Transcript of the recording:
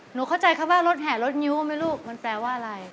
หนูเข้าใจคำว่ารถแห่รถงิ้วไหมลูกมันแปลว่าอะไร